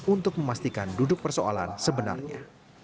untuk memastikan duduk persoalan sebenarnya